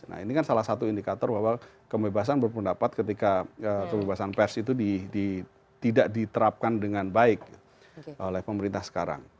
nah ini kan salah satu indikator bahwa kebebasan berpendapat ketika kebebasan pers itu tidak diterapkan dengan baik oleh pemerintah sekarang